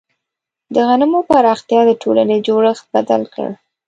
د غنمو پراختیا د ټولنې جوړښت بدل کړ.